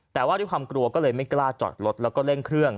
แต่ว่าด้วยความกลัวก็เลยไม่กล้าจอดรถแล้วก็เร่งเครื่อง